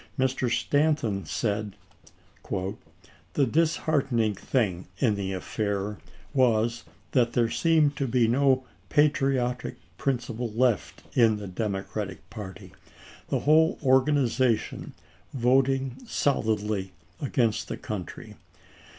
Mr. Stanton said, " The disheartening thing in the affair was that there seemed to be no patriotic principle left in the Democratic party, the whole organization voting j:h., solidly against the country."